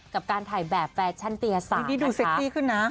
กับการถ่ายแบบแปดชั้นตรียศาสตร์นะคะนี่ดูเซ็กซี่ขึ้นนะ